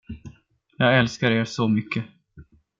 Jag älskar er så mycket.